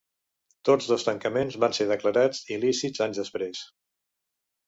Tots dos tancaments van ser declarats il·lícits anys després.